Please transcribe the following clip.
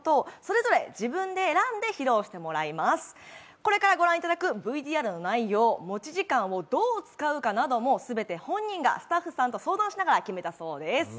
これからご覧いただくＶＴＲの内容、持ち時間をどう使うかなどもすべて本人がスタッフさんと相談しながら決めたそうです。